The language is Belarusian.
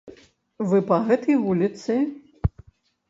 Вы па гэтай вуліцы?